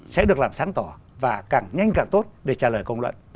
sẽ được làm sáng tỏ và càng nhanh càng tốt để trả lời công luận